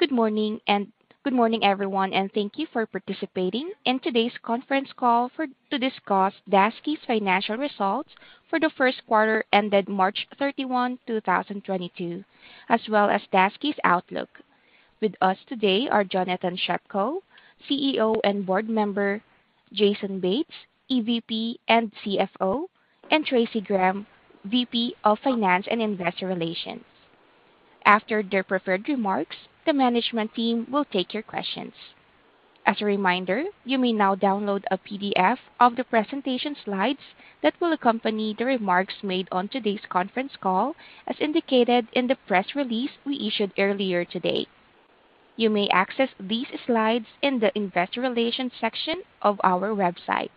Good morning, everyone, and thank you for participating in today's conference call to discuss Daseke's financial results for the first quarter ended March 31, 2022, as well as Daseke's outlook. With us today are Jonathan Shepko, CEO and Board Member, Jason Bates, EVP and CFO, and Traci Graham, VP of Finance and Investor Relations. After their prepared remarks, the management team will take your questions. As a reminder, you may now download a PDF of the presentation slides that will accompany the remarks made on today's conference call, as indicated in the press release we issued earlier today. You may access these slides in the Investor Relations section of our website.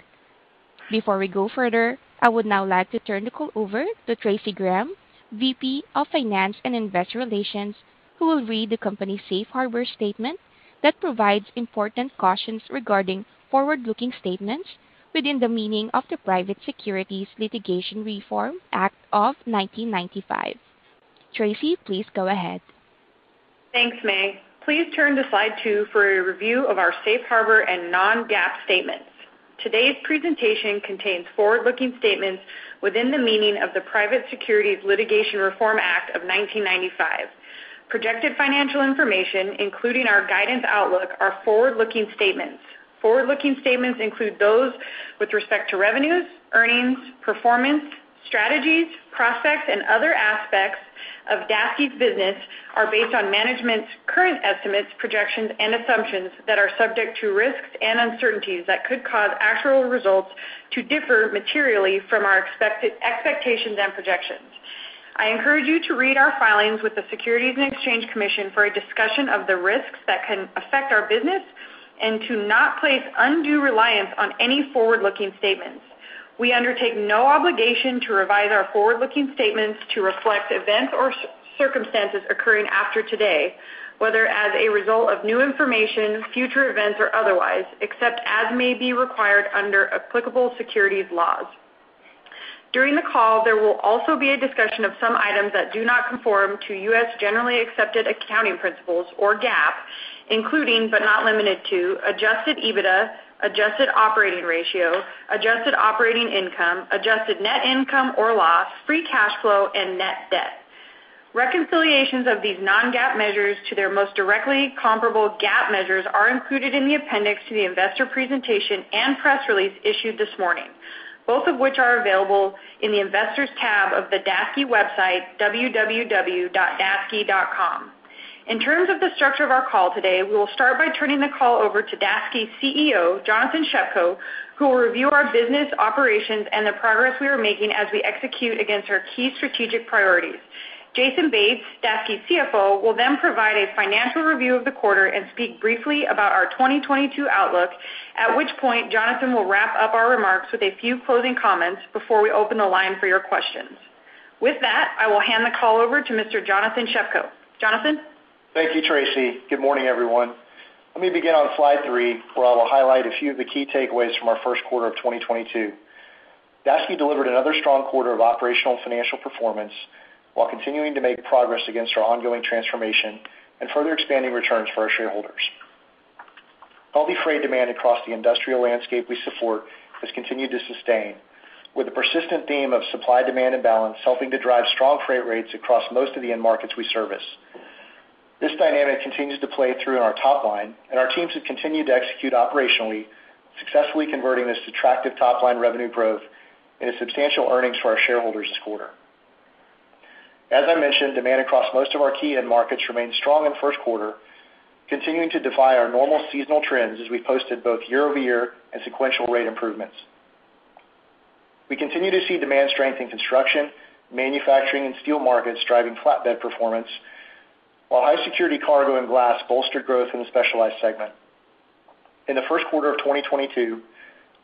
Before we go further, I would now like to turn the call over to Traci Graham, VP of Finance and Investor Relations, who will read the company's safe harbor statement that provides important cautions regarding forward-looking statements within the meaning of the Private Securities Litigation Reform Act of 1995. Traci, please go ahead. Thanks, Mae. Please turn to Slide two for a review of our safe harbor and non-GAAP statements. Today's presentation contains forward-looking statements within the meaning of the Private Securities Litigation Reform Act of 1995. Projected financial information, including our guidance outlook, are forward-looking statements. Forward-looking statements include those with respect to revenues, earnings, performance, strategies, prospects, and other aspects of Daseke's business are based on management's current estimates, projections, and assumptions that are subject to risks and uncertainties that could cause actual results to differ materially from our expected expectations and projections. I encourage you to read our filings with the Securities and Exchange Commission for a discussion of the risks that can affect our business and to not place undue reliance on any forward-looking statements. We undertake no obligation to revise our forward-looking statements to reflect events or circumstances occurring after today, whether as a result of new information, future events, or otherwise, except as may be required under applicable securities laws. During the call, there will also be a discussion of some items that do not conform to U.S. generally accepted accounting principles or GAAP, including, but not limited to, adjusted EBITDA, adjusted operating ratio, adjusted operating income, adjusted net income or loss, free cash flow, and net debt. Reconciliations of these non-GAAP measures to their most directly comparable GAAP measures are included in the appendix to the investor presentation and press release issued this morning, both of which are available in the Investors tab of the Daseke website, www.daseke.com. In terms of the structure of our call today, we will start by turning the call over to Daseke's CEO, Jonathan Shepko, who will review our business operations and the progress we are making as we execute against our key strategic priorities. Jason Bates, Daseke's CFO, will then provide a financial review of the quarter and speak briefly about our 2022 outlook, at which point Jonathan will wrap up our remarks with a few closing comments before we open the line for your questions. With that, I will hand the call over to Mr. Jonathan Shepko. Jonathan? Thank you, Traci. Good morning, everyone. Let me begin on Slide three, where I will highlight a few of the key takeaways from our first quarter of 2022. Daseke delivered another strong quarter of operational and financial performance while continuing to make progress against our ongoing transformation and further expanding returns for our shareholders. Healthy freight demand across the industrial landscape we support has continued to sustain, with the persistent theme of supply-demand imbalance helping to drive strong freight rates across most of the end markets we service. This dynamic continues to play through in our top line, and our teams have continued to execute operationally, successfully converting this to attractive top-line revenue growth into substantial earnings for our shareholders this quarter. As I mentioned, demand across most of our key end markets remained strong in first quarter, continuing to defy our normal seasonal trends as we posted both year-over-year and sequential rate improvements. We continue to see demand strength in construction, manufacturing, and steel markets driving flatbed performance, while high-security cargo and glass bolstered growth in the specialized segment. In the first quarter of 2022,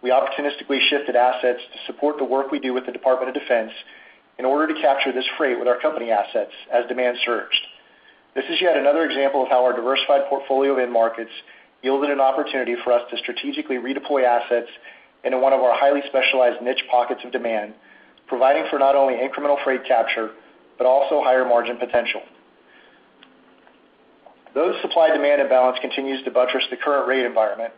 we opportunistically shifted assets to support the work we do with the Department of Defense in order to capture this freight with our company assets as demand surged. This is yet another example of how our diversified portfolio of end markets yielded an opportunity for us to strategically redeploy assets into one of our highly specialized niche pockets of demand, providing for not only incremental freight capture, but also higher margin potential. Though supply-demand imbalance continues to buttress the current rate environment,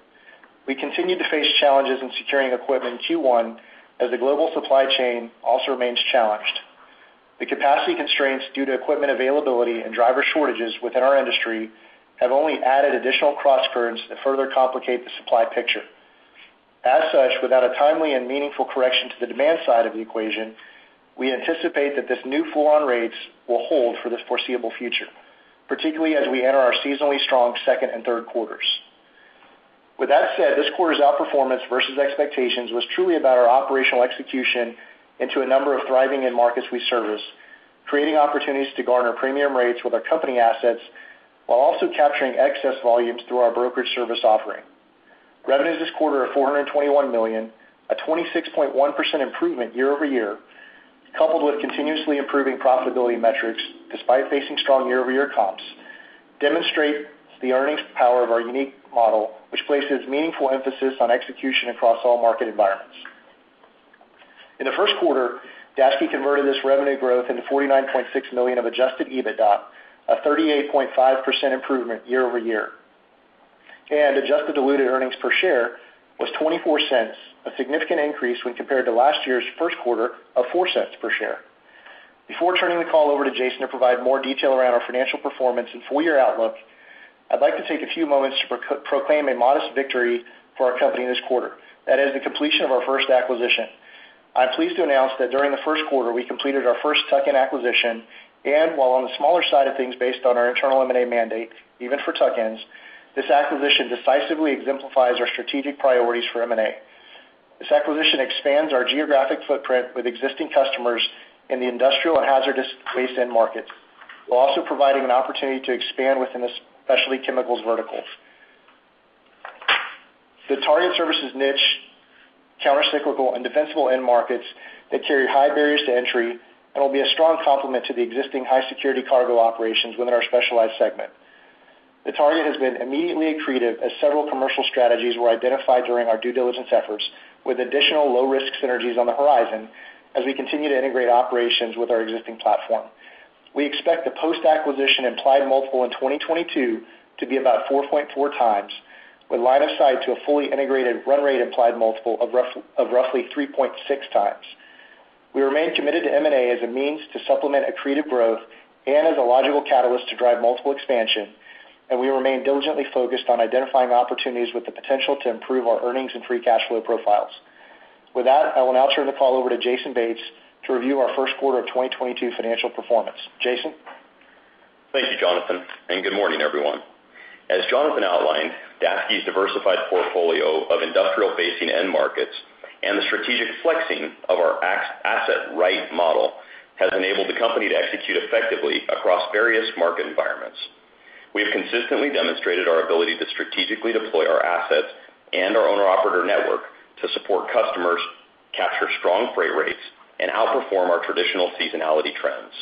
we continued to face challenges in securing equipment in Q1 as the global supply chain also remains challenged. The capacity constraints due to equipment availability and driver shortages within our industry have only added additional crosscurrents that further complicate the supply picture. As such, without a timely and meaningful correction to the demand side of the equation, we anticipate that this new full-on rates will hold for the foreseeable future, particularly as we enter our seasonally strong second and third quarters. With that said, this quarter's outperformance versus expectations was truly about our operational execution into a number of thriving end markets we service, creating opportunities to garner premium rates with our company assets while also capturing excess volumes through our brokerage service offering. Revenues this quarter of $421 million, a 26.1% improvement year-over-year, coupled with continuously improving profitability metrics despite facing strong year-over-year comps, demonstrate the earnings power of our unique model, which places meaningful emphasis on execution across all market environments. In the first quarter, Daseke converted this revenue growth into $49.6 million of adjusted EBITDA, a 38.5% improvement year-over-year. Adjusted diluted earnings per share was $0.24, a significant increase when compared to last year's first quarter of $0.04 per share. Before turning the call over to Jason to provide more detail around our financial performance and full year outlook, I'd like to take a few moments to proclaim a modest victory for our company this quarter, that is the completion of our first acquisition. I'm pleased to announce that during the first quarter we completed our first tuck-in acquisition, and while on the smaller side of things based on our internal M&A mandate, even for tuck-ins, this acquisition decisively exemplifies our strategic priorities for M&A. This acquisition expands our geographic footprint with existing customers in the industrial and hazardous waste end markets, while also providing an opportunity to expand within the specialty chemicals verticals. The target serves niche, countercyclical, and defensible end markets that carry high barriers to entry and will be a strong complement to the existing high security cargo operations within our specialized segment. The target has been immediately accretive as several commercial strategies were identified during our due diligence efforts, with additional low-risk synergies on the horizon as we continue to integrate operations with our existing platform. We expect the post-acquisition implied multiple in 2022 to be about 4.4x, with line of sight to a fully integrated run rate implied multiple of roughly 3.6x. We remain committed to M&A as a means to supplement accretive growth and as a logical catalyst to drive multiple expansion, and we remain diligently focused on identifying opportunities with the potential to improve our earnings and free cash flow profiles. With that, I will now turn the call over to Jason Bates to review our first quarter of 2022 financial performance, Jason? Thank you, Jonathan, and good morning, everyone. As Jonathan outlined, Daseke's diversified portfolio of industrial-facing end markets and the strategic flexing of our asset-light model has enabled the company to execute effectively across various market environments. We have consistently demonstrated our ability to strategically deploy our assets and our owner operator network to support customers, capture strong freight rates, and outperform our traditional seasonality trends.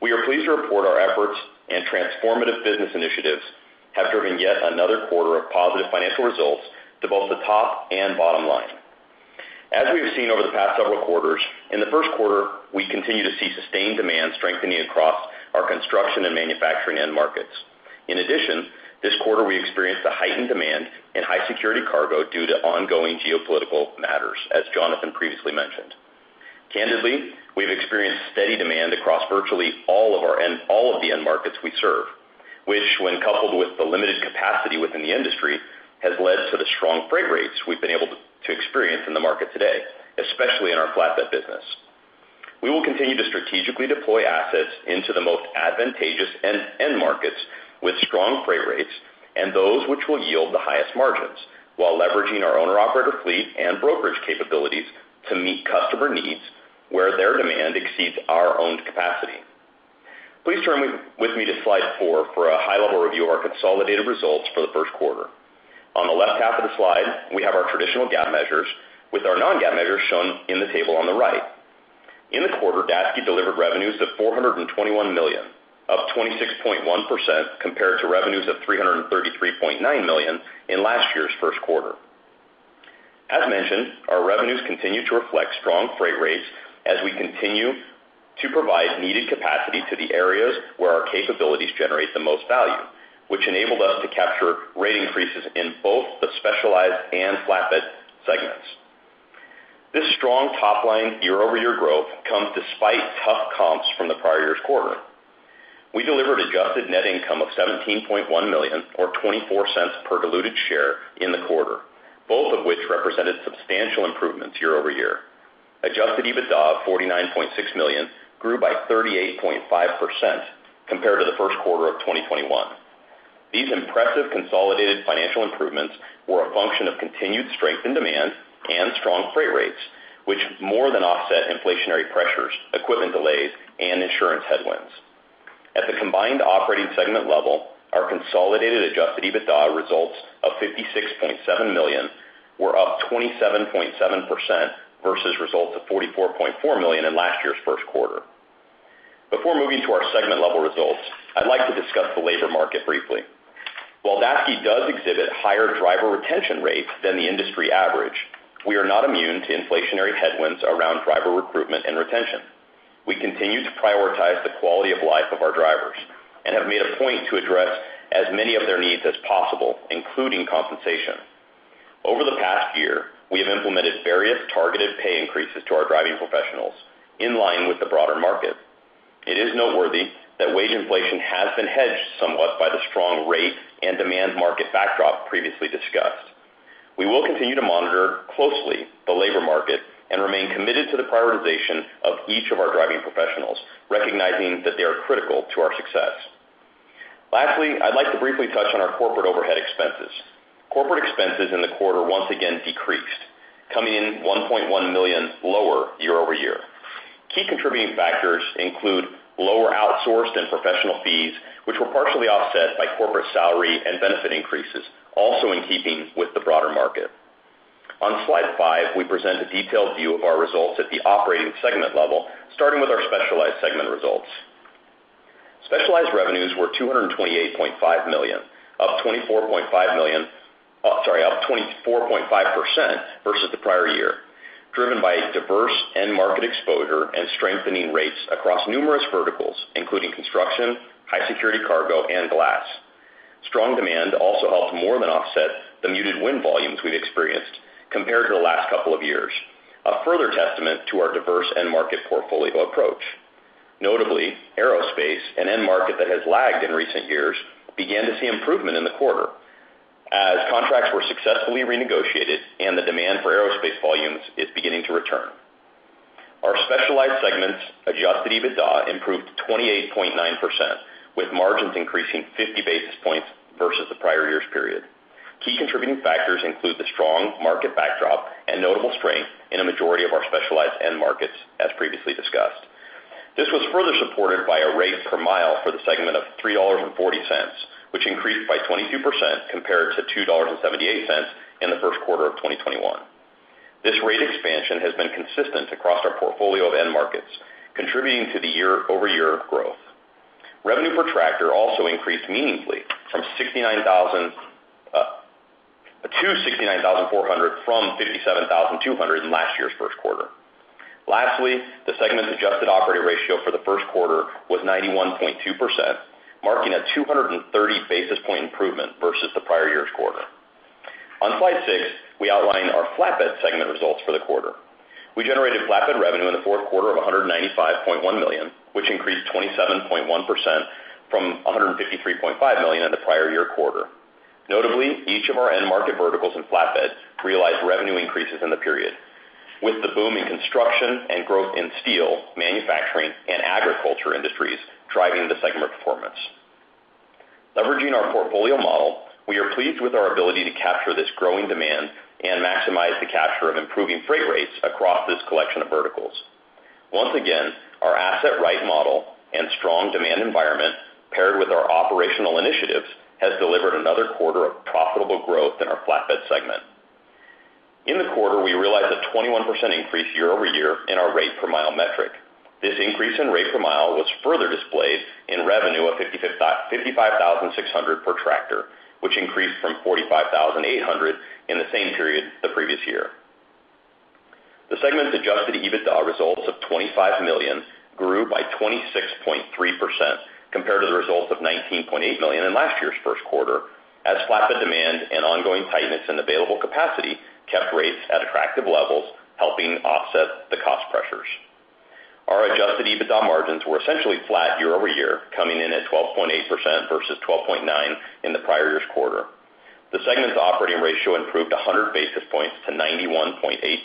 We are pleased to report our efforts and transformative business initiatives have driven yet another quarter of positive financial results to both the top and bottom line. As we have seen over the past several quarters, in the first quarter, we continue to see sustained demand strengthening across our construction and manufacturing end markets. In addition, this quarter we experienced a heightened demand in high security cargo due to ongoing geopolitical matters, as Jonathan previously mentioned. Candidly, we've experienced steady demand across virtually all of the end markets we serve, which when coupled with the limited capacity within the industry, has led to the strong freight rates we've been able to experience in the market today, especially in our flatbed business. We will continue to strategically deploy assets into the most advantageous end markets with strong freight rates and those which will yield the highest margins, while leveraging our owner operator fleet and brokerage capabilities to meet customer needs where their demand exceeds our owned capacity. Please turn with me to Slide four for a high-level review of our consolidated results for the first quarter. On the left half of the slide, we have our traditional GAAP measures, with our non-GAAP measures shown in the table on the right. In the quarter, Daseke delivered revenues of $421 million, up 26.1% compared to revenues of $333.9 million in last year's first quarter. As mentioned, our revenues continue to reflect strong freight rates as we continue to provide needed capacity to the areas where our capabilities generate the most value, which enabled us to capture rate increases in both the specialized and flatbed segments. This strong top line year-over-year growth comes despite tough comps from the prior year's quarter. We delivered adjusted net income of $17.1 million, or $0.24 per diluted share in the quarter, both of which represented substantial improvements year-over-year. Adjusted EBITDA of $49.6 million grew by 38.5% compared to the first quarter of 2021. These impressive consolidated financial improvements were a function of continued strength in demand and strong freight rates, which more than offset inflationary pressures, equipment delays, and insurance headwinds. At the combined operating segment level, our consolidated adjusted EBITDA results of $56.7 million were up 27.7% versus results of $44.4 million in last year's first quarter. Before moving to our segment level results, I'd like to discuss the labor market briefly. While Daseke does exhibit higher driver retention rates than the industry average, we are not immune to inflationary headwinds around driver recruitment and retention. We continue to prioritize the quality of life of our drivers and have made a point to address as many of their needs as possible, including compensation. Over the past year, we have implemented various targeted pay increases to our driving professionals in line with the broader market. It is noteworthy that wage inflation has been hedged somewhat by the strong rate and demand market backdrop previously discussed. We will continue to monitor closely the labor market and remain committed to the prioritization of each of our driving professionals, recognizing that they are critical to our success. Lastly, I'd like to briefly touch on our corporate overhead expenses. Corporate expenses in the quarter once again decreased, coming in $1.1 million lower year-over-year. Key contributing factors include lower outsourced and professional fees, which were partially offset by corporate salary and benefit increases, also in keeping with the broader market. On Slide five, we present a detailed view of our results at the operating segment level, starting with our specialized segment results. Specialized revenues were $228.5 million, up $24.5 million. Up 24.5% versus the prior year, driven by diverse end market exposure and strengthening rates across numerous verticals, including construction, high security cargo, and glass. Strong demand also helped more than offset the muted wind volumes we've experienced compared to the last couple of years. A further testament to our diverse end market portfolio approach. Notably, aerospace, an end market that has lagged in recent years, began to see improvement in the quarter as contracts were successfully renegotiated and the demand for aerospace volumes is beginning to return. Our specialized segment's adjusted EBITDA improved 28.9%, with margins increasing 50 basis points versus the prior year's period. Key contributing factors include the strong market backdrop and notable strength in a majority of our specialized end markets, as previously discussed. This was further supported by a rate per mile for the segment of $3.40, which increased by 22% compared to $2.78 in the first quarter of 2021. This rate expansion has been consistent across our portfolio of end markets, contributing to the year-over-year growth. Revenue per tractor also increased meaningfully from $69,000-$69,400 from $57,200 in last year's first quarter. Lastly, the segment's adjusted operating ratio for the first quarter was 91.2%, marking a 230 basis point improvement versus the prior year's quarter. On Slide six, we outline our flatbed segment results for the quarter. We generated flatbed revenue in the fourth quarter of $195.1 million, which increased 27.1% from $153.5 million in the prior year quarter. Notably, each of our end market verticals in flatbed realized revenue increases in the period, with the boom in construction and growth in steel, manufacturing, and agriculture industries driving the segment performance. Leveraging our portfolio model, we are pleased with our ability to capture this growing demand and maximize the capture of improving freight rates across this collection of verticals. Once again, our asset-light model and strong demand environment, paired with our operational initiatives, has delivered another quarter of profitable growth in our flatbed segment. In the quarter, we realized a 21% increase year-over-year in our rate per mile metric. This increase in rate per mile was further displayed in revenue of $55,556 per tractor, which increased from $45,800 in the same period the previous year. The segment's adjusted EBITDA results of $25 million grew by 26.3% compared to the results of $19.8 million in last year's first quarter, as flatbed demand and ongoing tightness in available capacity kept rates at attractive levels, helping offset the cost pressures. Our adjusted EBITDA margins were essentially flat year-over-year, coming in at 12.8% versus 12.9% in the prior year's quarter. The segment's operating ratio improved 100 basis points to 91.8%,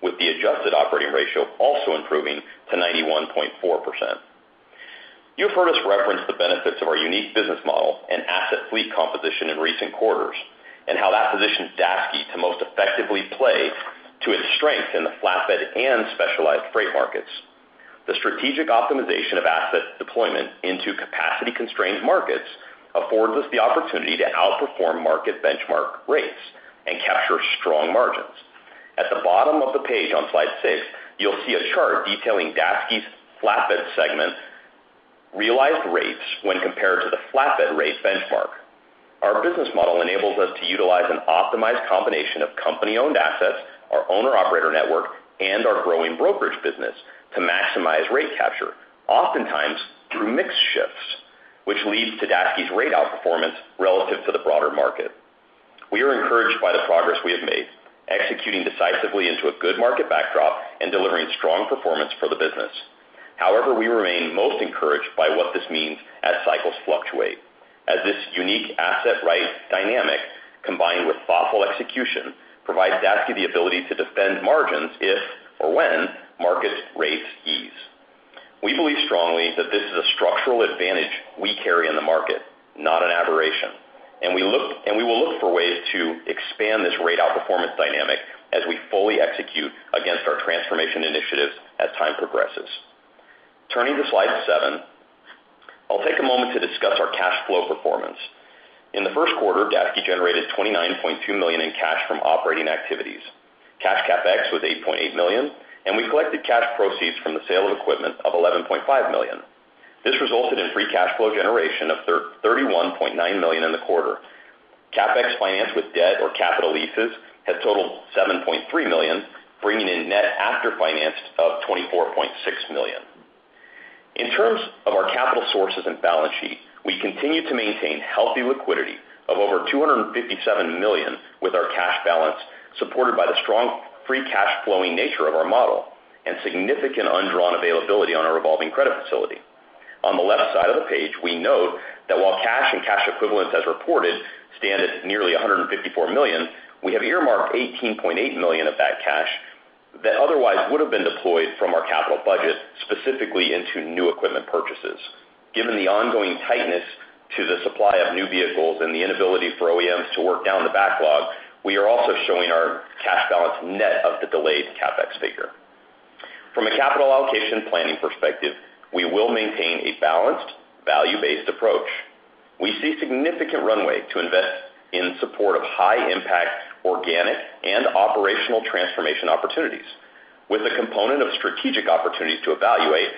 with the adjusted operating ratio also improving to 91.4%. You've heard us reference the benefits of our unique business model and asset fleet composition in recent quarters, and how that positions Daseke to most effectively play to its strength in the flatbed and specialized freight markets. The strategic optimization of asset deployment into capacity-constrained markets affords us the opportunity to outperform market benchmark rates and capture strong margins. At the bottom of the page on Slide six, you'll see a chart detailing Daseke's flatbed segment realized rates when compared to the flatbed rate benchmark. Our business model enables us to utilize an optimized combination of company-owned assets, our owner-operator network, and our growing brokerage business to maximize rate capture, oftentimes through mix shifts, which leads to Daseke's rate outperformance relative to the broader market. We are encouraged by the progress we have made, executing decisively into a good market backdrop and delivering strong performance for the business. However, we remain most encouraged by what this means as cycles fluctuate, as this unique asset-right dynamic, combined with thoughtful execution, provides Daseke the ability to defend margins if or when market rates ease. We believe strongly that this is a structural advantage we carry in the market, not an aberration. We will look for ways to expand this rate outperformance dynamic as we fully execute against our transformation initiatives as time progresses. Turning to Slide seven, I'll take a moment to discuss our cash flow performance. In the first quarter, Daseke generated $29.2 million in cash from operating activities. Cash CapEx was $8.8 million, and we collected cash proceeds from the sale of equipment of $11.5 million. This resulted in free cash flow generation of $31.9 million in the quarter. CapEx financed with debt or capital leases had totaled $7.3 million, bringing in net after finance of $24.6 million. In terms of our capital sources and balance sheet, we continue to maintain healthy liquidity of over $257 million with our cash balance, supported by the strong free cash flow nature of our model and significant undrawn availability on our revolving credit facility. On the left side of the page, we note that while cash and cash equivalents as reported stand at nearly $154 million, we have earmarked $18.8 million of that cash that otherwise would have been deployed from our capital budget, specifically into new equipment purchases. Given the ongoing tightness to the supply of new vehicles and the inability for OEMs to work down the backlog, we are also showing our cash balance net of the delayed CapEx figure. From a capital allocation planning perspective, we will maintain a balanced value-based approach. We see significant runway to invest in support of high impact organic and operational transformation opportunities with a component of strategic opportunities to evaluate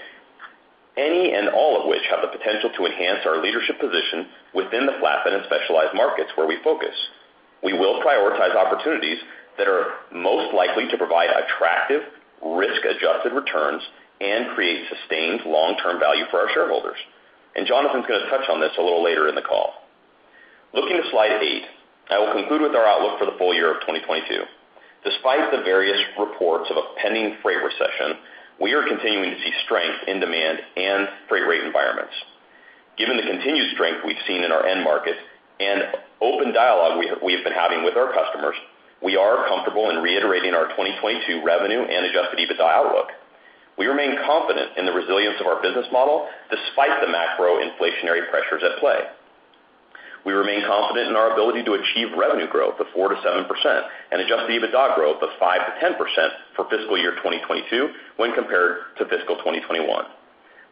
any and all of which have the potential to enhance our leadership position within the flat and specialized markets where we focus. We will prioritize opportunities that are most likely to provide attractive risk-adjusted returns and create sustained long-term value for our shareholders. Jonathan's going to touch on this a little later in the call. Looking at Slide eight, I will conclude with our outlook for the full year of 2022. Despite the various reports of a pending freight recession, we are continuing to see strength in demand and freight rate environments. Given the continued strength we've seen in our end market and open dialogue we have been having with our customers, we are comfortable in reiterating our 2022 revenue and adjusted EBITDA outlook. We remain confident in the resilience of our business model despite the macro inflationary pressures at play. We remain confident in our ability to achieve revenue growth of 4%-7% and adjusted EBITDA growth of 5%-10% for fiscal year 2022 when compared to fiscal 2021.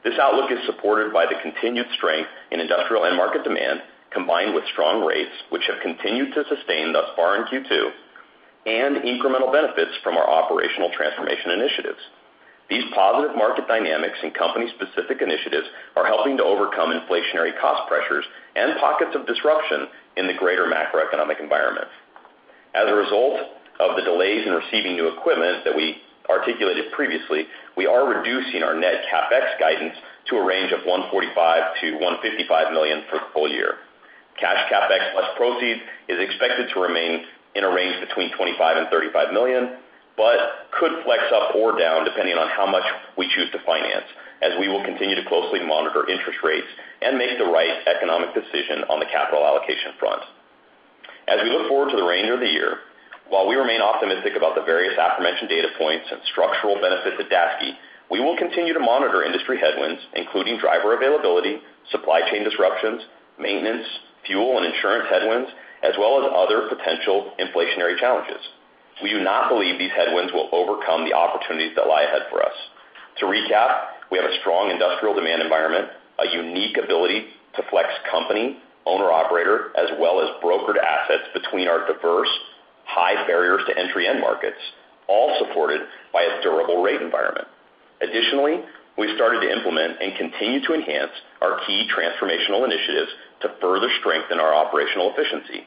This outlook is supported by the continued strength in industrial end market demand, combined with strong rates which have continued to sustain thus far in Q2, and incremental benefits from our operational transformation initiatives. These positive market dynamics and company-specific initiatives are helping to overcome inflationary cost pressures and pockets of disruption in the greater macroeconomic environment. As a result of the delays in receiving new equipment that we articulated previously, we are reducing our net CapEx guidance to a range of $145 million-$155 million for the full year. Cash CapEx plus proceeds is expected to remain in a range between $25 million and $35 million, but could flex up or down depending on how much we choose to finance, as we will continue to closely monitor interest rates and make the right economic decision on the capital allocation front. As we look forward to the remainder of the year, while we remain optimistic about the various aforementioned data points and structural benefits at Daseke, we will continue to monitor industry headwinds, including driver availability, supply chain disruptions, maintenance, fuel and insurance headwinds, as well as other potential inflationary challenges. We do not believe these headwinds will overcome the opportunities that lie ahead for us. To recap, we have a strong industrial demand environment, a unique ability to flex company, owner-operator, as well as brokered assets between our diverse high barriers to entry end markets, all supported by a durable rate environment. Additionally, we started to implement and continue to enhance our key transformational initiatives to further strengthen our operational efficiency.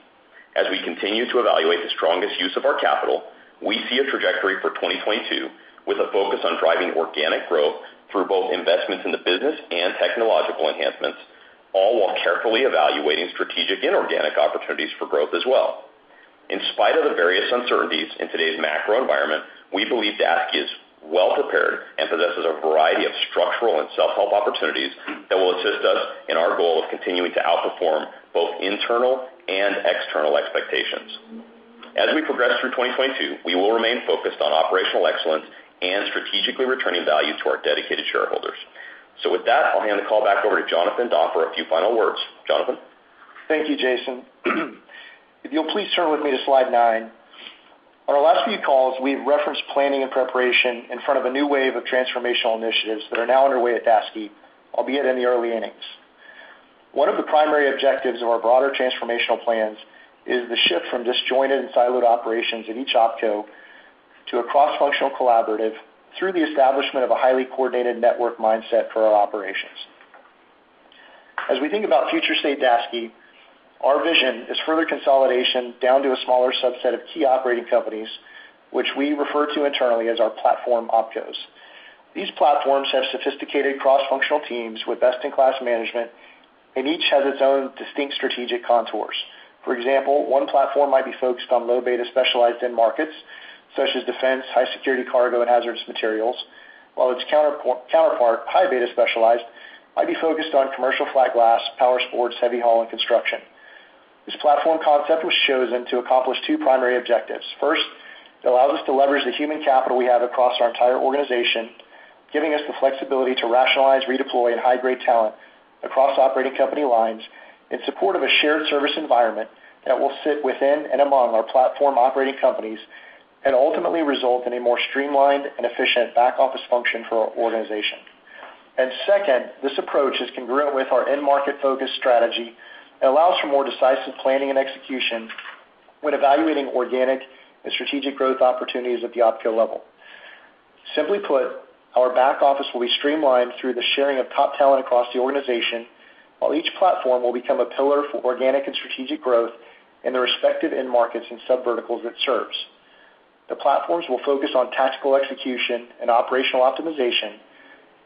As we continue to evaluate the strongest use of our capital, we see a trajectory for 2022 with a focus on driving organic growth through both investments in the business and technological enhancements, all while carefully evaluating strategic inorganic opportunities for growth as well. In spite of the various uncertainties in today's macro environment, we believe Daseke is well prepared and possesses a variety of structural and self-help opportunities that will assist us in our goal of continuing to outperform both internal and external expectations. As we progress through 2022, we will remain focused on operational excellence and strategically returning value to our dedicated shareholders. With that, I'll hand the call back over to Jonathan to offer a few final words, Jonathan? Thank you, Jason. If you'll please turn with me to Slide nine. On our last few calls, we've referenced planning and preparation in front of a new wave of transformational initiatives that are now underway at Daseke, albeit in the early innings. One of the primary objectives of our broader transformational plans is the shift from disjointed and siloed operations in each opco to a cross-functional collaborative through the establishment of a highly coordinated network mindset for our operations. As we think about future state Daseke, our vision is further consolidation down to a smaller subset of key operating companies, which we refer to internally as our platform opcos. These platforms have sophisticated cross-functional teams with best-in-class management, and each has its own distinct strategic contours. For example, one platform might be focused on low beta specialized end markets such as defense, high security cargo, and hazardous materials, while its counterpart, high beta specialized, might be focused on commercial flat glass, power sports, heavy haul and construction. This platform concept was chosen to accomplish two primary objectives. First, it allows us to leverage the human capital we have across our entire organization, giving us the flexibility to rationalize, redeploy, and high-grade talent across operating company lines in support of a shared service environment that will sit within and among our platform operating companies and ultimately result in a more streamlined and efficient back-office function for our organization. Second, this approach is congruent with our end market focus strategy and allows for more decisive planning and execution when evaluating organic and strategic growth opportunities at the opco level. Simply put, our back office will be streamlined through the sharing of top talent across the organization, while each platform will become a pillar for organic and strategic growth in the respective end markets and subverticals it serves. The platforms will focus on tactical execution and operational optimization,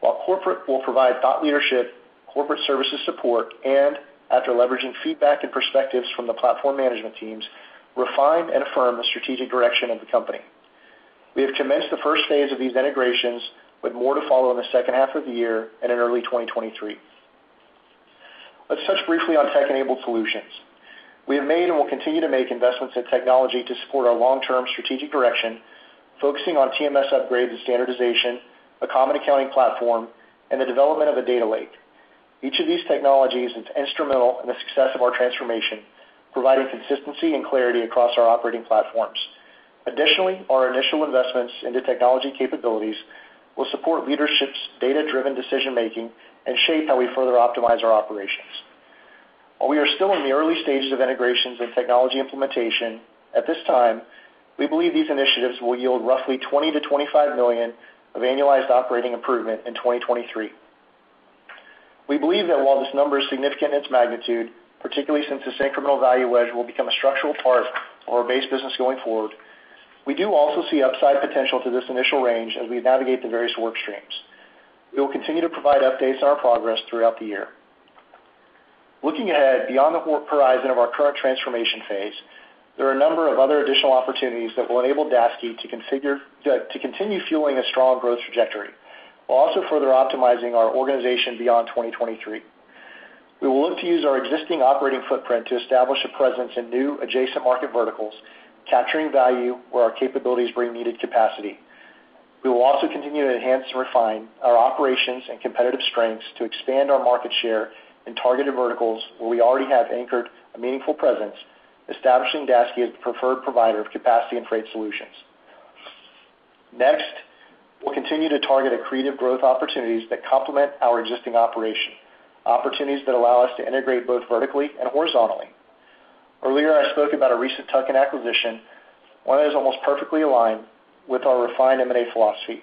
while corporate will provide thought leadership, corporate services support, and after leveraging feedback and perspectives from the platform management teams, refine and affirm the strategic direction of the company. We have commenced the first phase of these integrations with more to follow in the second half of the year and in early 2023. Let's touch briefly on tech-enabled solutions. We have made and will continue to make investments in technology to support our long-term strategic direction, focusing on TMS upgrades and standardization, a common accounting platform, and the development of a data lake. Each of these technologies is instrumental in the success of our transformation, providing consistency and clarity across our operating platforms. Additionally, our initial investments into technology capabilities will support leadership's data-driven decision-making and shape how we further optimize our operations. While we are still in the early stages of integrations and technology implementation, at this time, we believe these initiatives will yield roughly $20 million-$25 million of annualized operating improvement in 2023. We believe that while this number is significant in its magnitude, particularly since this incremental value wedge will become a structural part of our base business going forward, we do also see upside potential to this initial range as we navigate the various work streams. We will continue to provide updates on our progress throughout the year. Looking ahead beyond the horizon of our current transformation phase, there are a number of other additional opportunities that will enable Daseke to continue fueling a strong growth trajectory, while also further optimizing our organization beyond 2023. We will look to use our existing operating footprint to establish a presence in new adjacent market verticals, capturing value where our capabilities bring needed capacity. We will also continue to enhance and refine our operations and competitive strengths to expand our market share in targeted verticals where we already have anchored a meaningful presence, establishing Daseke as the preferred provider of capacity and freight solutions. Next, we'll continue to target accretive growth opportunities that complement our existing operation, opportunities that allow us to integrate both vertically and horizontally. Earlier, I spoke about our recent tuck-in acquisition, one that is almost perfectly aligned with our refined M&A philosophy.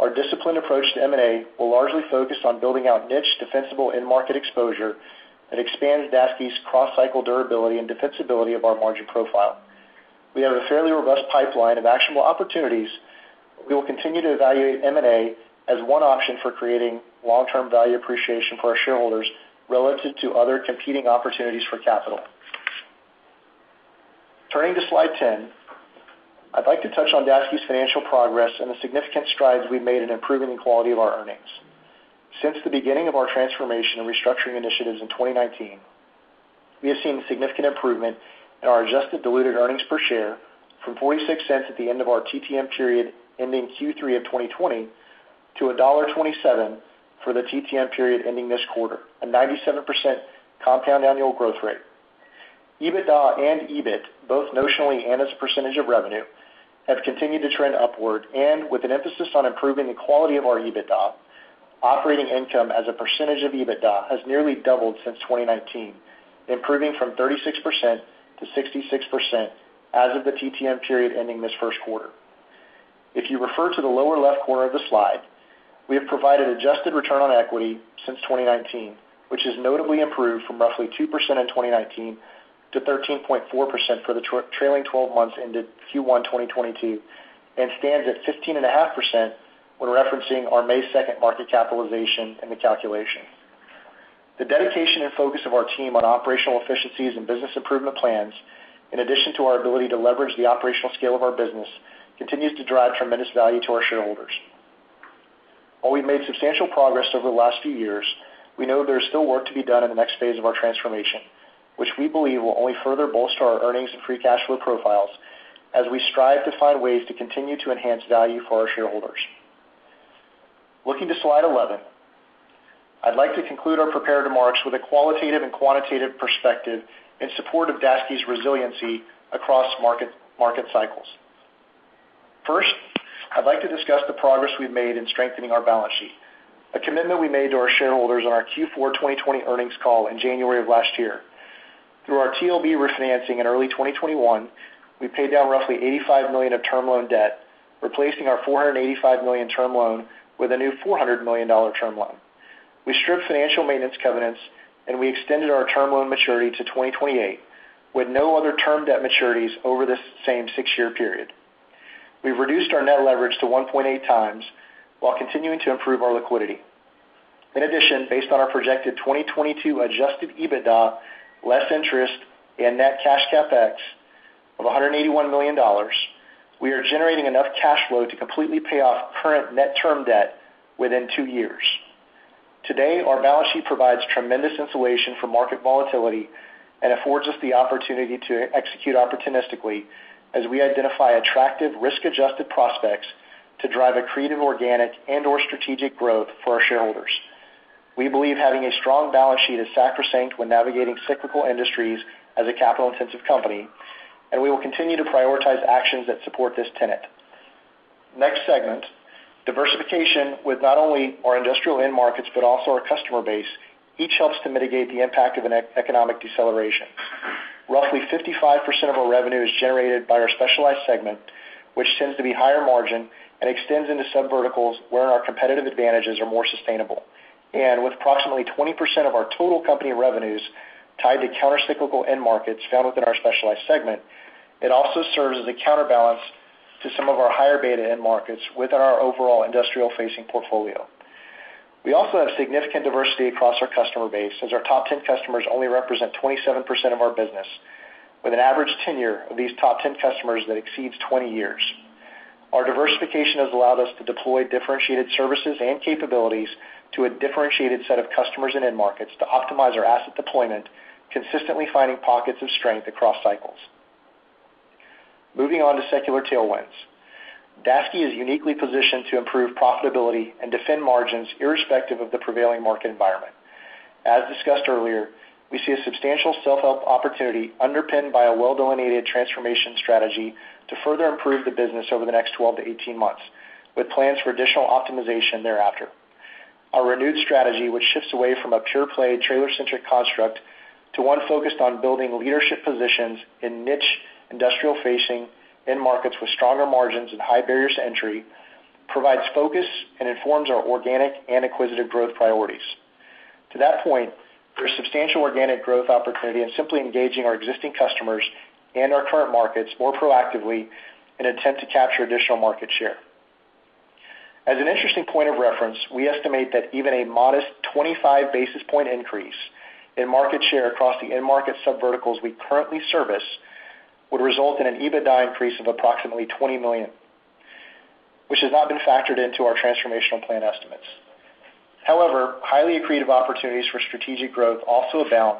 Our disciplined approach to M&A will largely focus on building out niche defensible end market exposure that expands Daseke's cross-cycle durability and defensibility of our margin profile. We have a fairly robust pipeline of actionable opportunities. We will continue to evaluate M&A as one option for creating long-term value appreciation for our shareholders relative to other competing opportunities for capital. Turning to Slide 10, I'd like to touch on Daseke's financial progress and the significant strides we've made in improving the quality of our earnings. Since the beginning of our transformation and restructuring initiatives in 2019, we have seen significant improvement in our adjusted diluted earnings per share from $0.46 at the end of our TTM period ending Q3 of 2020 to $1.27 for the TTM period ending this quarter, a 97% compound annual growth rate. EBITDA and EBIT, both notionally and as a percentage of revenue, have continued to trend upward. With an emphasis on improving the quality of our EBITDA, operating income as a percentage of EBITDA has nearly doubled since 2019, improving from 36% to 66% as of the TTM period ending this first quarter. If you refer to the lower left corner of the slide, we have provided adjusted return on equity since 2019, which has notably improved from roughly 2% in 2019 to 13.4 for the trailing twelve months ended Q1 2022, and stands at 15.5% when referencing our May 2nd market capitalization in the calculation. The dedication and focus of our team on operational efficiencies and business improvement plans, in addition to our ability to leverage the operational scale of our business, continues to drive tremendous value to our shareholders. While we've made substantial progress over the last few years, we know there is still work to be done in the next phase of our transformation, which we believe will only further bolster our earnings and free cash flow profiles as we strive to find ways to continue to enhance value for our shareholders. Looking to Slide 11, I'd like to conclude our prepared remarks with a qualitative and quantitative perspective in support of Daseke's resiliency across market cycles. First, I'd like to discuss the progress we've made in strengthening our balance sheet, a commitment we made to our shareholders on our Q4 2020 earnings call in January of last year. Through our TLB refinancing in early 2021, we paid down roughly $85 million of term loan debt, replacing our $485 million term loan with a new $400 million term loan. We stripped financial maintenance covenants, and we extended our term loan maturity to 2028, with no other term debt maturities over this same six-year period. We've reduced our net leverage to 1.8x while continuing to improve our liquidity. In addition, based on our projected 2022 adjusted EBITDA, less interest and net cash CapEx of $181 million, we are generating enough cash flow to completely pay off current net term debt within two years. Today, our balance sheet provides tremendous insulation from market volatility and affords us the opportunity to execute opportunistically as we identify attractive risk-adjusted prospects to drive accretive organic and/or strategic growth for our shareholders. We believe having a strong balance sheet is sacrosanct when navigating cyclical industries as a capital-intensive company, and we will continue to prioritize actions that support this tenet. Next segment, diversification with not only our industrial end markets but also our customer base each helps to mitigate the impact of an economic deceleration. Roughly 55% of our revenue is generated by our specialized segment, which tends to be higher margin and extends into subverticals where our competitive advantages are more sustainable. With approximately 20% of our total company revenues tied to countercyclical end markets found within our specialized segment, it also serves as a counterbalance to some of our higher beta end markets within our overall industrial-facing portfolio. We also have significant diversity across our customer base, as our top 10 customers only represent 27% of our business, with an average tenure of these top 10 customers that exceeds 20 years. Our diversification has allowed us to deploy differentiated services and capabilities to a differentiated set of customers and end markets to optimize our asset deployment, consistently finding pockets of strength across cycles. Moving on to secular tailwinds. Daseke is uniquely positioned to improve profitability and defend margins irrespective of the prevailing market environment. As discussed earlier, we see a substantial self-help opportunity underpinned by a well-delineated transformation strategy to further improve the business over the next 12 months-18 months, with plans for additional optimization thereafter. Our renewed strategy, which shifts away from a pure-play trailer-centric construct to one focused on building leadership positions in niche industrial facing end markets with stronger margins and high barriers to entry, provides focus and informs our organic and acquisitive growth priorities. To that point, there is substantial organic growth opportunity in simply engaging our existing customers and our current markets more proactively in attempt to capture additional market share. As an interesting point of reference, we estimate that even a modest 25 basis point increase in market share across the end market subverticals we currently service would result in an EBITDA increase of approximately $20 million, which has not been factored into our transformational plan estimates. However, highly accretive opportunities for strategic growth also abound,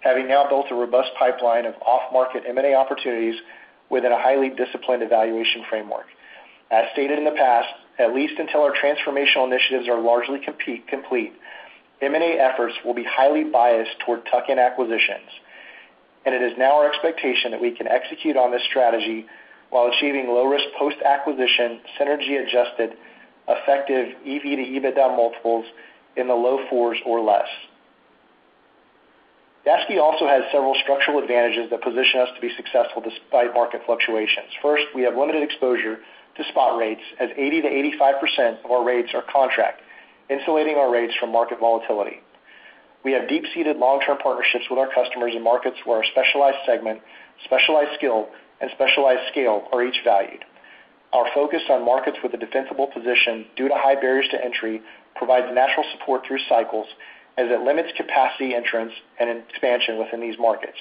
having now built a robust pipeline of off-market M&A opportunities within a highly disciplined evaluation framework. As stated in the past, at least until our transformational initiatives are largely complete, M&A efforts will be highly biased toward tuck-in acquisitions, and it is now our expectation that we can execute on this strategy while achieving low-risk post-acquisition synergy-adjusted effective EV-to-EBITDA multiples in the low fours or less. Daseke also has several structural advantages that position us to be successful despite market fluctuations. First, we have limited exposure to spot rates as 80%-85% of our rates are contract, insulating our rates from market volatility. We have deep-seated long-term partnerships with our customers in markets where our specialized segment, specialized skill, and specialized scale are each valued. Our focus on markets with a defensible position due to high barriers to entry provides natural support through cycles as it limits capacity entrance and expansion within these markets.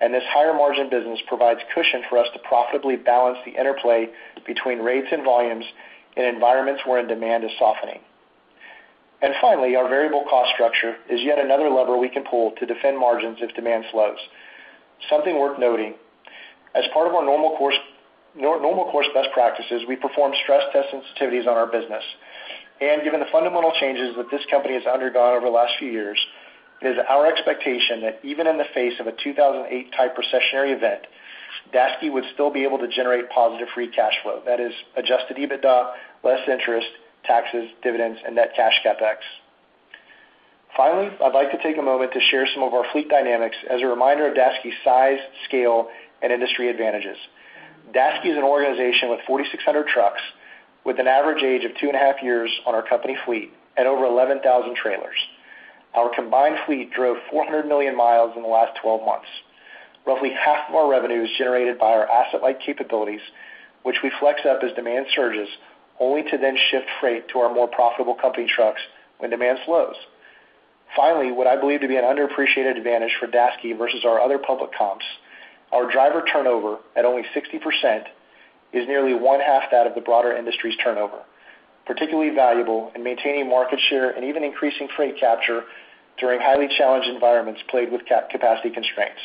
This higher-margin business provides cushion for us to profitably balance the interplay between rates and volumes in environments wherein demand is softening. Finally, our variable cost structure is yet another lever we can pull to defend margins if demand slows. Something worth noting, as part of our normal course best practices, we perform stress test sensitivities on our business. Given the fundamental changes that this company has undergone over the last few years, it is our expectation that even in the face of a 2008-type recessionary event, Daseke would still be able to generate positive free cash flow. That is adjusted EBITDA, less interest, taxes, dividends, and net cash CapEx. Finally, I'd like to take a moment to share some of our fleet dynamics as a reminder of Daseke's size, scale, and industry advantages. Daseke is an organization with 4,600 trucks with an average age of 2.5 years on our company fleet and over 11,000 trailers. Our combined fleet drove 400 million miles in the last twelve months. Roughly half of our revenue is generated by our asset-light capabilities, which we flex up as demand surges, only to then shift freight to our more profitable company trucks when demand slows. Finally, what I believe to be an underappreciated advantage for Daseke versus our other public comps, our driver turnover at only 60% is nearly one-half that of the broader industry's turnover, particularly valuable in maintaining market share and even increasing freight capture during highly challenged environments plagued with capacity constraints.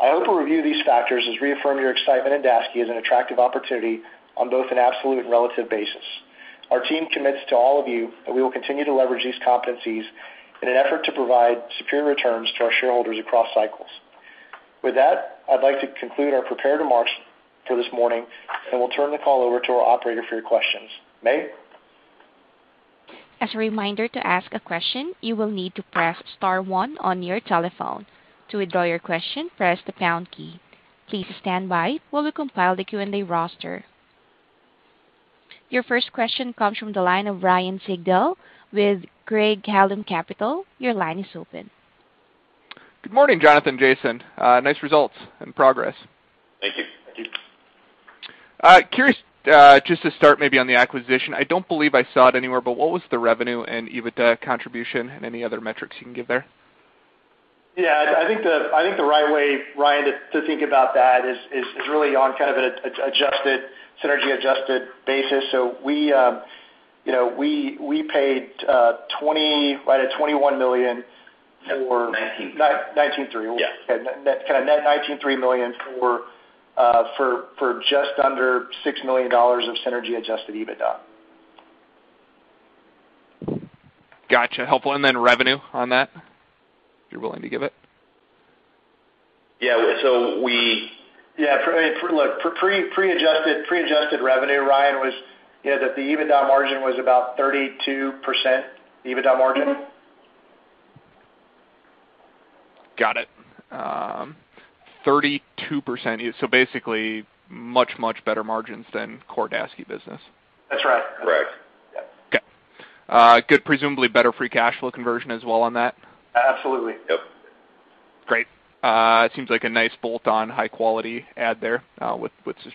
I hope a review of these factors has reaffirmed your excitement in Daseke as an attractive opportunity on both an absolute and relative basis. Our team commits to all of you that we will continue to leverage these competencies in an effort to provide superior returns to our shareholders across cycles. With that, I'd like to conclude our prepared remarks for this morning, and we'll turn the call over to our operator for your questions. Mae? As a reminder, to ask a question, you will need to press star one on your telephone. To withdraw your question, press the pound key. Please stand by while we compile the Q&A roster. Your first question comes from the line of Ryan Sigdahl with Craig-Hallum Capital Group. Your line is open. Good morning, Jonathan, Jason. Nice results and progress. Thank you. Thank you. Curious, just to start maybe on the acquisition. I don't believe I saw it anywhere, but what was the revenue and EBITDA contribution and any other metrics you can give there? Yeah, I think the right way, Ryan, to think about that is really on kind of an adjusted, synergy-adjusted basis. So we paid $20 million right at $21 million for- $19.3 million. Yeah. Okay. Net, kind of net $19.3 million for just under $6 million of synergy-adjusted EBITDA. Gotcha. Helpful. Revenue on that, if you're willing to give it. Yeah. Yeah, for pre-adjusted revenue, Ryan, you know, that the EBITDA margin was about 32%. Got it. 32%. Basically much, much better margins than core Daseke business. That's right. Correct. Yes. Okay. Good. Presumably better free cash flow conversion as well on that. Absolutely. Yep. Great. It seems like a nice bolt-on high quality add there, with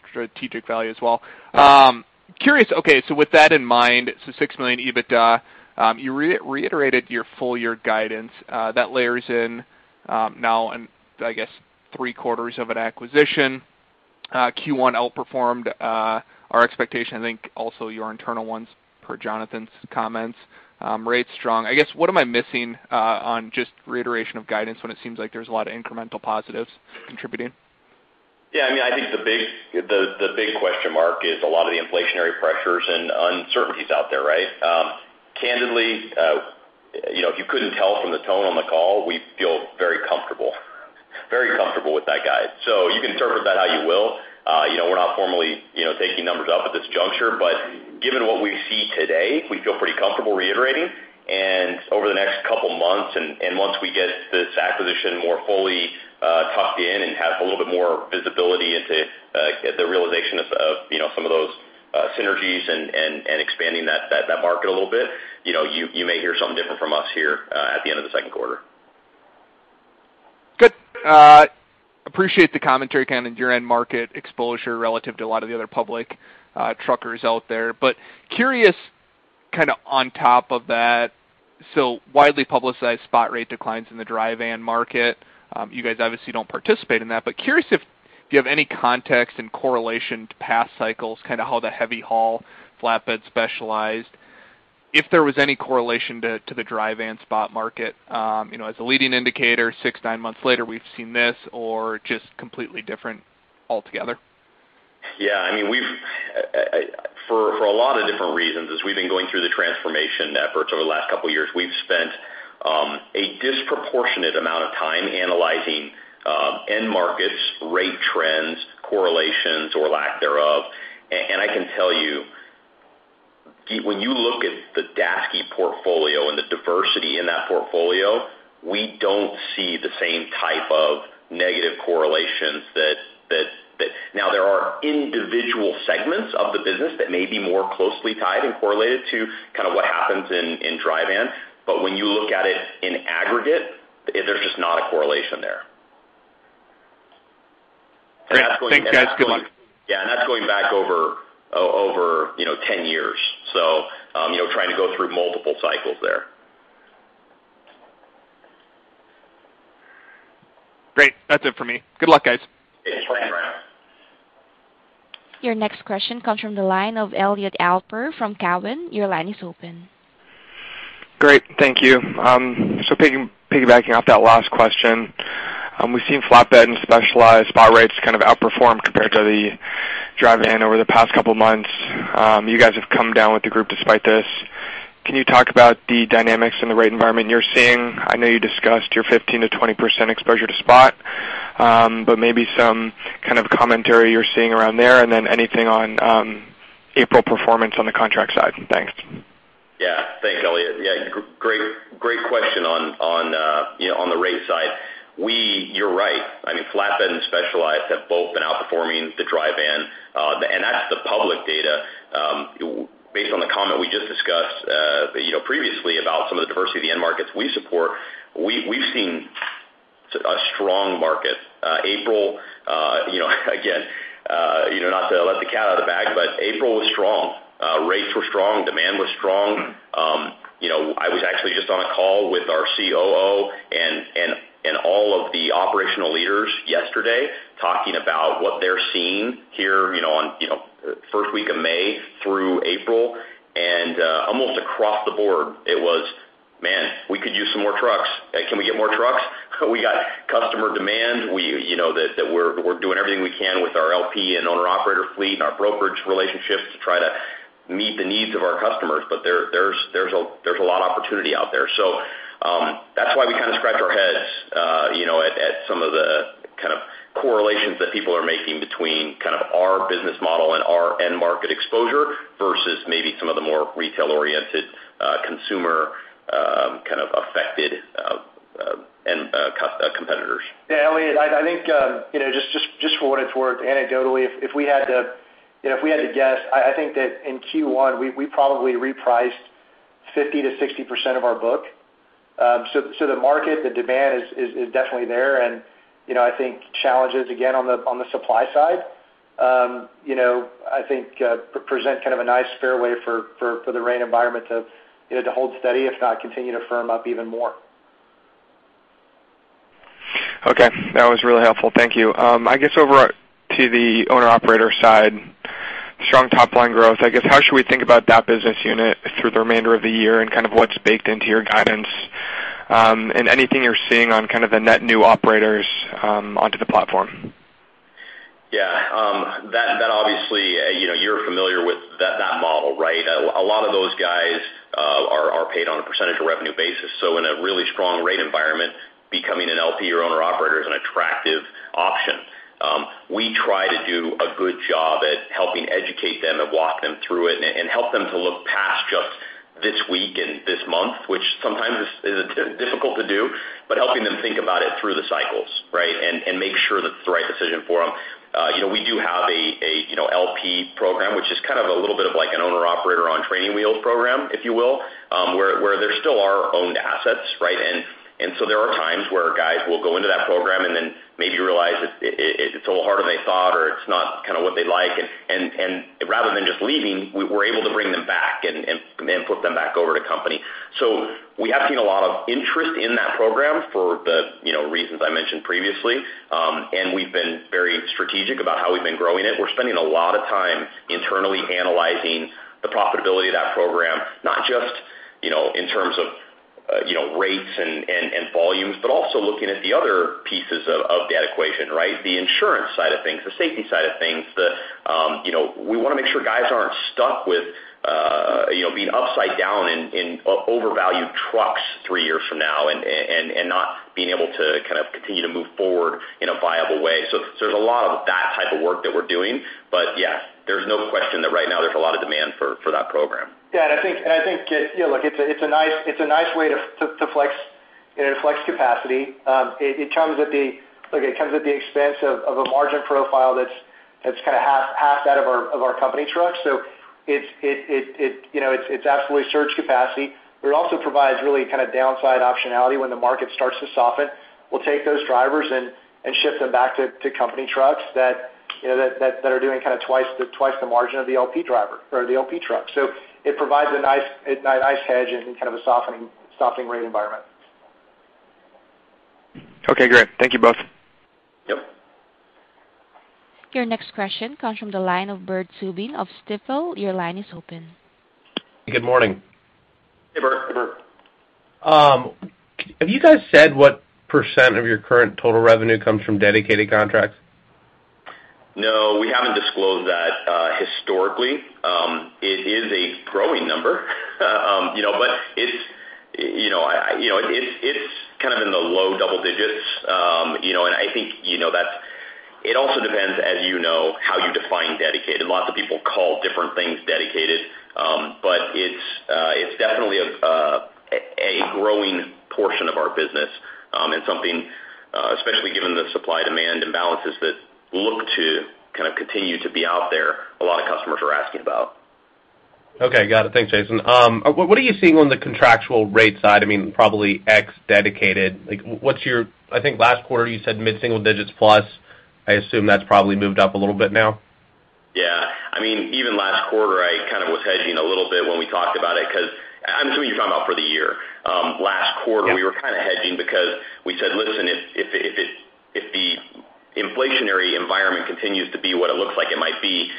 strategic value as well. Curious, so with that in mind, $6 million EBITDA, you reiterated your full year guidance, that layers in, now in, I guess, three quarters of an acquisition. Q1 outperformed, our expectation, I think also your internal ones per Jonathan's comments. Rates strong. I guess, what am I missing, on just reiteration of guidance when it seems like there's a lot of incremental positives contributing? Yeah, I mean, I think the big question mark is a lot of the inflationary pressures and uncertainties out there, right? Candidly, you know, if you couldn't tell from the tone on the call, we feel very comfortable with that guide. You can interpret that how you will. You know, we're not formally, you know, taking numbers up at this juncture. Given what we see today, we feel pretty comfortable reiterating. Over the next couple months, and once we get this acquisition more fully tucked in and have a little bit more visibility into the realization of, you know, some of those synergies and expanding that market a little bit, you know, you may hear something different from us here at the end of the second quarter. Good. Appreciate the commentary kind of your end market exposure relative to a lot of the other public truckers out there. Curious kind of on top of that, so widely publicized spot rate declines in the dry van market. You guys obviously don't participate in that, but curious if you have any context and correlation to past cycles, kind of how the heavy haul flatbed specialized, if there was any correlation to the dry van spot market, you know, as a leading indicator, six, nine months later, we've seen this or just completely different altogether. Yeah, I mean, we've for a lot of different reasons, as we've been going through the transformation efforts over the last couple years, we've spent a disproportionate amount of time analyzing end markets, rate trends, correlations, or lack thereof. I can tell you, when you look at the Daseke portfolio and the diversity in that portfolio, we don't see the same type of negative correlations that. Now there are individual segments of the business that may be more closely tied and correlated to kind of what happens in dry van. When you look at it in aggregate, there's just not a correlation there. Great. Thanks, guys. Good luck. Yeah. That's going back over, you know, 10 years. You know, trying to go through multiple cycles there. Great. That's it for me. Good luck, guys. Thanks. Your next question comes from the line of Elliot Alper from Cowen. Your line is open. Great. Thank you. Piggybacking off that last question, we've seen flatbed and specialized spot rates kind of outperform compared to the dry van over the past couple months. You guys have come down with the group despite this. Can you talk about the dynamics in the rate environment you're seeing? I know you discussed your 15%-20% exposure to spot, but maybe some kind of commentary you're seeing around there, and then anything on April performance on the contract side. Thanks. Yeah. Thanks, Elliot. Yeah, great question on you know, on the rate side. You're right. I mean, flatbed and specialized have both been outperforming the dry van, and that's the public data. Based on the comment we just discussed, you know, previously about some of the diversity of the end markets we support, we've seen a strong market. April, you know, again, you know, not to let the cat out of the bag, but April was strong. Rates were strong. Demand was strong. You know, I was actually just on a call with our COO and all of the operational leaders yesterday talking about what they're seeing here, you know, on first week of May through April. Almost across the board, it was, "Man, we could use some more trucks. Can we get more trucks? We got customer demand. We know that we're doing everything we can with our LP and owner-operator fleet and our brokerage relationships to try to meet the needs of our customers, but there's a lot of opportunity out there. That's why we kind of scratch our heads, you know, at some of the kind of correlations that people are making between kind of our business model and our end market exposure versus maybe some of the more retail-oriented consumer kind of affected competitors. Yeah, Elliot, I think you know, just for what it's worth, anecdotally, if we had to guess, I think that in Q1, we probably repriced 50%-60% of our book. So the market, the demand is definitely there. You know, I think challenges again on the supply side present kind of a nice fairway for the rate environment to hold steady, if not continue to firm up even more. Okay. That was really helpful. Thank you. I guess over to the owner-operator side, strong top-line growth. I guess how should we think about that business unit through the remainder of the year and kind of what's baked into your guidance, and anything you're seeing on kind of the net new operators, onto the platform? Yeah. That obviously, you know, you're familiar with that model, right? A lot of those guys are paid on a percentage of revenue basis. So in a really strong rate environment, becoming an LP or owner-operator is an attractive option. We try to do a good job at helping educate them and walk them through it and help them to look past just this week and this month, which sometimes is difficult to do, but helping them think about it through the cycles, right? Make sure that it's the right decision for them. You know, we do have a LP program, which is kind of a little bit of like an owner-operator on training wheels program, if you will, where they're still our owned assets, right? There are times where guys will go into that program and then maybe realize it's a little harder than they thought or it's not kind of what they like. Rather than just leaving, we're able to bring them back and flip them back over to company. We have seen a lot of interest in that program for the, you know, reasons I mentioned previously. We've been very strategic about how we've been growing it. We're spending a lot of time internally analyzing the profitability of that program, not just, you know, in terms of, you know, rates and volumes, but also looking at the other pieces of that equation, right? The insurance side of things, the safety side of things, you know, we wanna make sure guys aren't stuck with, you know, being upside down in overvalued trucks three years from now and not being able to kind of continue to move forward in a viable way. So there's a lot of that type of work that we're doing. Yeah, there's no question that right now there's a lot of demand for that program. Yeah. I think it-- yeah, look, it's a nice way to flex, you know, flex capacity. It comes at the expense of a margin profile that's kinda half that of our company trucks. So it's absolutely surge capacity, but it also provides really kind of downside optionality when the market starts to soften. We'll take those drivers and shift them back to company trucks that, you know, that are doing kinda twice the margin of the LP driver or the LP truck. So it provides a nice hedge in kind of a softening rate environment. Okay, great. Thank you both. Yep. Your next question comes from the line of Bert Subin of Stifel. Your line is open. Good morning. Hey, Bert. Hey, Bert. Have you guys said what % of your current total revenue comes from dedicated contracts? No, we haven't disclosed that. Historically, it is a growing number. You know, but it's kind of in the low double digits. You know, and I think that's. It also depends, as you know, how you define dedicated. Lots of people call different things dedicated. But it's definitely a growing portion of our business, and something, especially given the supply-demand imbalances that look to kind of continue to be out there, a lot of customers are asking about. Okay. Got it. Thanks, Jason. What are you seeing on the contractual rate side? I mean, probably ex dedicated. Like, I think last quarter you said mid-single digits plus. I assume that's probably moved up a little bit now. Yeah. I mean, even last quarter, I kind of was hedging a little bit when we talked about it, 'cause I'm assuming you're talking about for the year. Yeah We were kinda hedging because we said, "Listen, if the inflationary environment continues to be what it looks like it might be,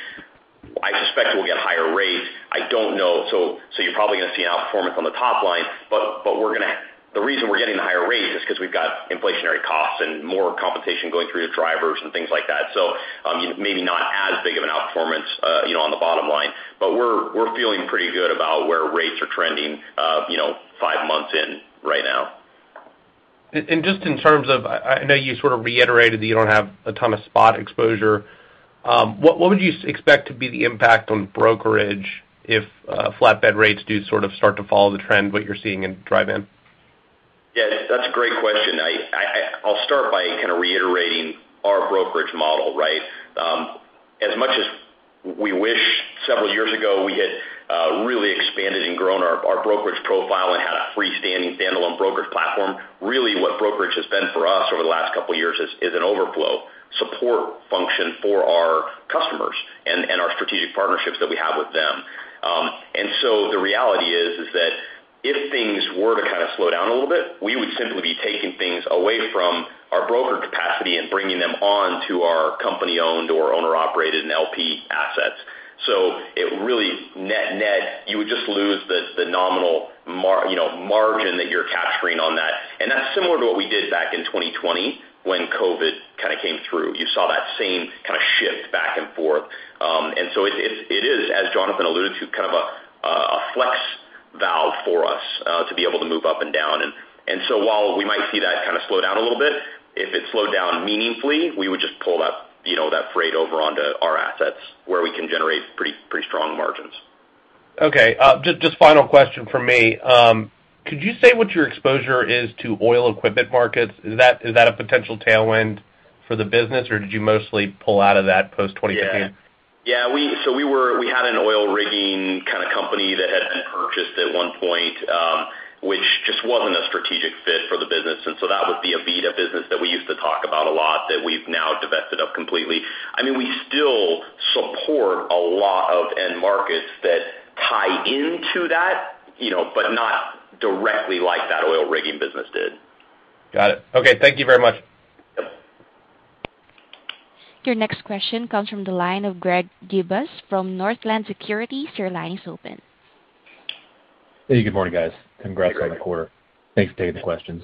I suspect we'll get higher rates. I don't know. So you're probably gonna see an outperformance on the top line, but the reason we're getting the higher rates is 'cause we've got inflationary costs and more compensation going through to drivers and things like that. So maybe not as big of an outperformance, you know, on the bottom line." We're feeling pretty good about where rates are trending, you know, five months in right now. Just in terms of, I know you sort of reiterated that you don't have a ton of spot exposure. What would you expect to be the impact on brokerage if flatbed rates do sort of start to follow the trend, what you're seeing in dry van? Yeah, that's a great question. I'll start by kinda reiterating our brokerage model, right? As much as we wish several years ago we had really expanded and grown our brokerage profile and had a freestanding standalone brokerage platform, really what brokerage has been for us over the last couple years is an overflow support function for our customers and our strategic partnerships that we have with them. The reality is that if things were to kinda slow down a little bit, we would simply be taking things away from our broker capacity and bringing them on to our company-owned or owner-operated and LP assets. It really, net net, you would just lose the nominal margin that you're capturing on that. That's similar to what we did back in 2020 when COVID kinda came through. You saw that same kinda shift back and forth. It is, as Jonathan alluded to, kind of a flex valve for us to be able to move up and down. While we might see that kinda slow down a little bit, if it slowed down meaningfully, we would just pull that, you know, that freight over onto our assets where we can generate pretty strong margins. Okay. Just final question from me. Could you say what your exposure is to oil equipment markets? Is that a potential tailwind for the business, or did you mostly pull out of that post 2015? Yeah. We had an oil rigging kinda company that had been purchased at one point, which just wasn't a strategic fit for the business. That was the Aveda business that we used to talk about a lot that we've now divested of completely. I mean, we still support a lot of end markets that tie into that, you know, but not directly like that oil rigging business did. Got it. Okay. Thank you very much. Your next question comes from the line of Greg Gibas from Northland Securities. Your line is open. Hey, good morning, guys. Congrats on the quarter. Hey, Greg. Thanks for taking the questions.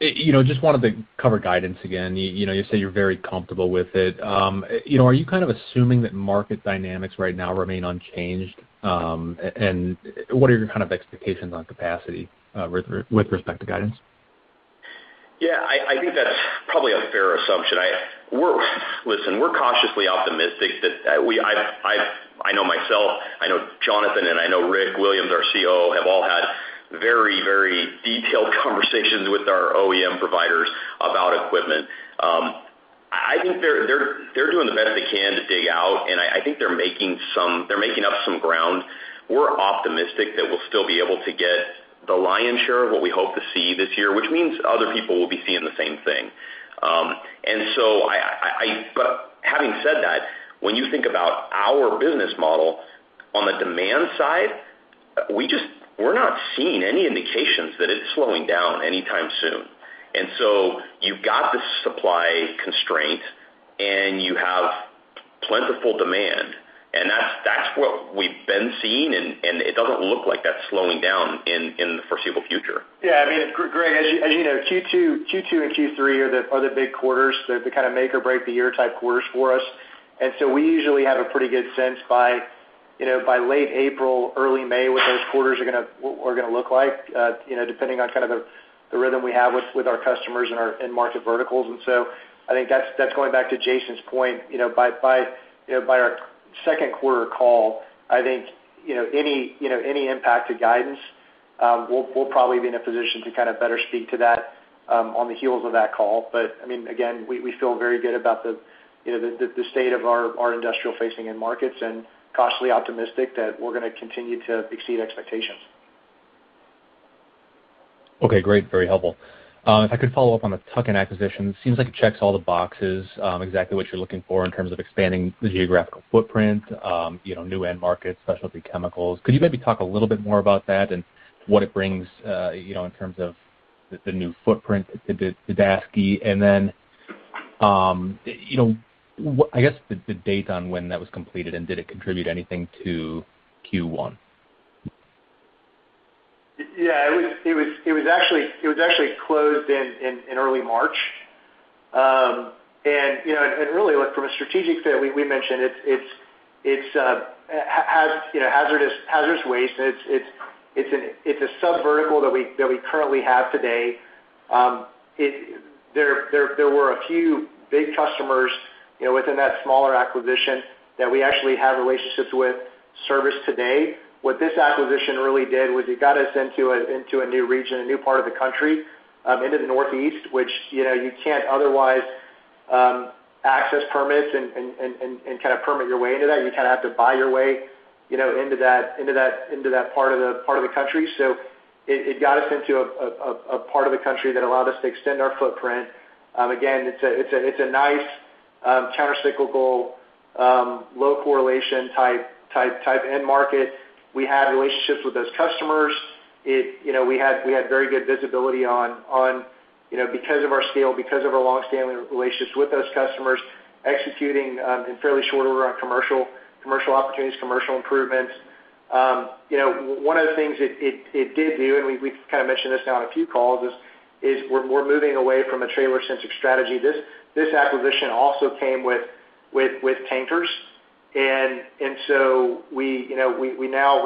You know, just wanted to cover guidance again. You know, you say you're very comfortable with it. You know, are you kind of assuming that market dynamics right now remain unchanged? And what are your kind of expectations on capacity, with respect to guidance? Yeah. I think that's probably a fair assumption. We're cautiously optimistic that I've. I know myself, I know Jonathan, and I know Rick Williams, our COO, have all had very, very detailed conversations with our OEM providers about equipment. I think they're doing the best they can to dig out, and I think they're making up some ground. We're optimistic that we'll still be able to get the lion's share of what we hope to see this year, which means other people will be seeing the same thing. Having said that, when you think about our business model, on the demand side, we're not seeing any indications that it's slowing down anytime soon. You've got the supply constraint, and you have Plentiful demand. That's what we've been seeing, and it doesn't look like that's slowing down in the foreseeable future. Yeah, I mean, it's great. As you know, Q2 and Q3 are the big quarters. They're the kind of make or break the year type quarters for us. We usually have a pretty good sense by, you know, by late April, early May, what we're gonna look like, you know, depending on kind of the rhythm we have with our customers and our end market verticals. I think that's going back to Jason's point, you know, by, you know, by our second quarter call, I think, you know, any impact to guidance, we'll probably be in a position to kind of better speak to that, on the heels of that call. I mean, again, we feel very good about the, you know, the state of our industrial facing end markets and cautiously optimistic that we're gonna continue to exceed expectations. Okay, great. Very helpful. If I could follow up on the tuck-in acquisition, it seems like it checks all the boxes, exactly what you're looking for in terms of expanding the geographical footprint, you know, new end markets, specialty chemicals. Could you maybe talk a little bit more about that and what it brings, you know, in terms of the new footprint to Daseke? Then, you know, I guess the date on when that was completed, and did it contribute anything to Q1? Yeah, it was actually closed in early March. You know, really look from a strategic fit, we mentioned it has hazardous waste. It's a sub-vertical that we currently have today. There were a few big customers, you know, within that smaller acquisition that we actually have relationships with service today. What this acquisition really did was it got us into a new region, a new part of the country, into the Northeast, which, you know, you can't otherwise access permits and kind of permit your way into that. You kinda have to buy your way, you know, into that part of the country. It got us into a part of the country that allowed us to extend our footprint. Again, it's a nice countercyclical low correlation type end market. We had relationships with those customers. You know, we had very good visibility on, you know, because of our scale, because of our long-standing relationships with those customers, executing in fairly short order on commercial opportunities, commercial improvements. You know, one of the things it did do, and we've kind of mentioned this now on a few calls, is we're moving away from a trailer-centric strategy. This acquisition also came with tankers. We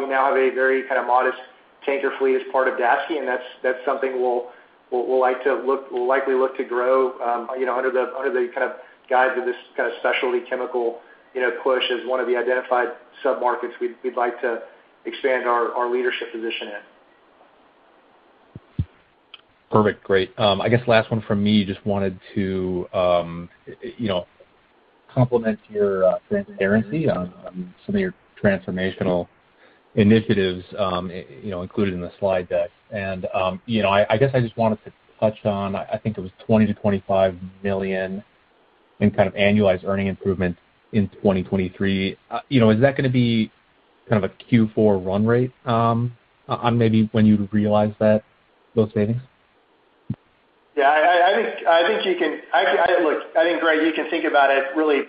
now have a very kind of modest tanker fleet as part of Daseke, and that's something we'll likely look to grow, you know, under the kind of guide of this kind of specialty chemical, you know, push as one of the identified sub-markets we'd like to expand our leadership position in. Perfect. Great. I guess last one from me, just wanted to, you know, compliment your transparency on some of your transformational initiatives, you know, included in the slide deck. You know, I guess I just wanted to touch on, I think it was $20 million-$25 million in kind of annualized earnings improvements in 2023. You know, is that gonna be kind of a Q4 run rate, on maybe when you realize that, those savings? Yeah, I think you can think about it really,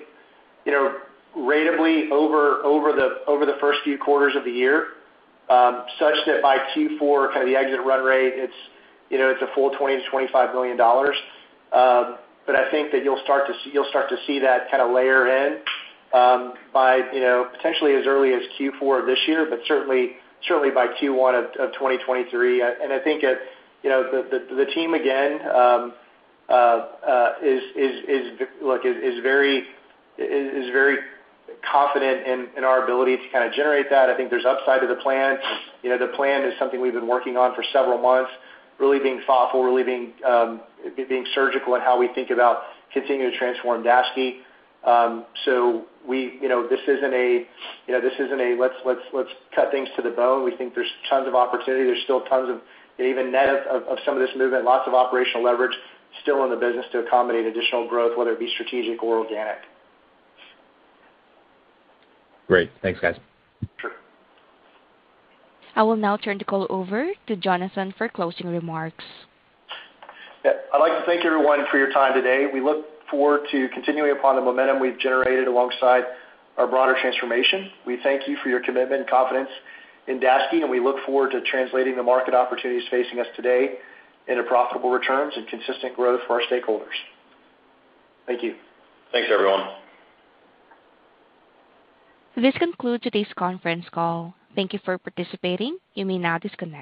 you know, ratably over the first few quarters of the year, such that by Q4 kind of the exit run rate, it's, you know, a full $20 million-$25 million. But I think that you'll start to see that kind of layer in by, you know, potentially as early as Q4 of this year, but certainly by Q1 of 2023. I think it. You know, the team again is very confident in our ability to kind of generate that. I think there's upside to the plan. You know, the plan is something we've been working on for several months, really being thoughtful, being surgical in how we think about continuing to transform Daseke. You know, this isn't a let's cut things to the bone. We think there's tons of opportunity. There's still tons of, even net of some of this movement, lots of operational leverage still in the business to accommodate additional growth, whether it be strategic or organic. Great. Thanks, guys. Sure. I will now turn the call over to Jonathan for closing remarks. Yeah. I'd like to thank everyone for your time today. We look forward to continuing upon the momentum we've generated alongside our broader transformation. We thank you for your commitment and confidence in Daseke, and we look forward to translating the market opportunities facing us today into profitable returns and consistent growth for our stakeholders. Thank you. Thanks, everyone. This concludes today's conference call. Thank you for participating. You may now disconnect.